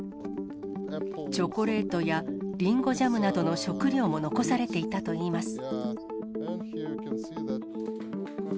チョコレートやリンゴジャムなどの食料も残されていたといいます。